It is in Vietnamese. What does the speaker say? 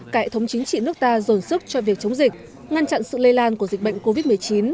cải thống chính trị nước ta dồn sức cho việc chống dịch ngăn chặn sự lây lan của dịch bệnh covid một mươi chín